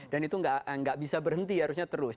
dan itu nggak bisa berhenti harusnya terus